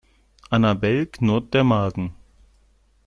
Annabel knurrt der Magen.